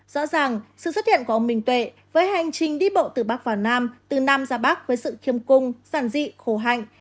rõ ràng sự xuất hiện của ông minh tuệ với hành trình đi bộ từ bắc vào nam từ nam ra bắc với sự khiêm cung sản dị khổ hạnh